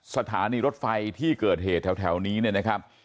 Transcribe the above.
สถานีรถไฟที่เกิดเหตุแถวนี้เนี่ยนะครับ